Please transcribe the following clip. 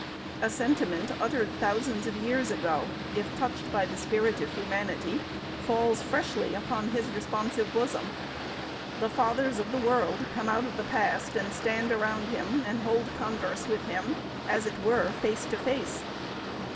A sentiment, uttered thousands of years ago, if touched by the spirit of human ity, falls freshly upon his responsive bosom. The fathers of the world come out of the past and stand around him and hold converse with him, as it were, face to face.